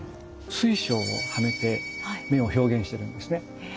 水晶をはめて目を表現してるんですね。